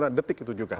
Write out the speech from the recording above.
nah detik itu juga